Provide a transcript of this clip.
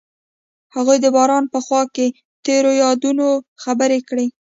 هغوی د باران په خوا کې تیرو یادونو خبرې کړې.